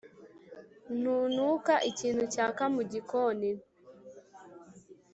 ntunuka ikintu cyaka mugikoni?